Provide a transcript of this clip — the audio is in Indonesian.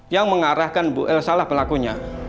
yang mengarahkan bu elsa salah pelakunya